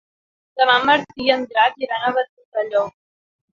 Demà en Martí i en Drac iran a Ventalló.